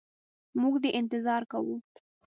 موږ دي انتظار کوو.